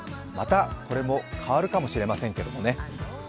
また、これも変わるかもしれませんけどね。